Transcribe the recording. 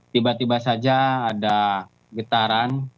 tiba tiba saja ada getaran